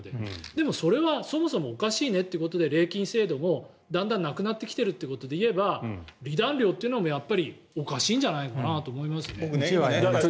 でも、それはそもそもおかしいねということで礼金制度もだんだんなくなってきているということでいえば離檀料というのもおかしいんじゃないかなと思いますね。